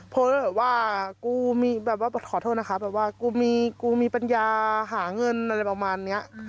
โพสแบบว่าขอโทษนะคะแบบว่ากูมีปัญญาหาเงินอะไรประมาณนี้